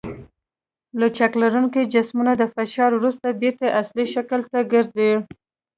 لچک لرونکي جسمونه د فشار وروسته بېرته اصلي شکل ته ګرځي.